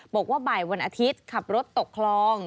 บอกว่าบ่ายวันอาทิตย์ขับรถตกคลอง